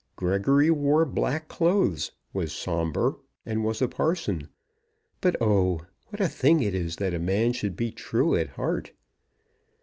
Gregory wore black clothes, was sombre, and was a parson; but, oh, what a thing it is that a man should be true at heart!